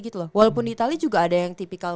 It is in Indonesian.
gitu loh walaupun di itali juga ada yang tipikal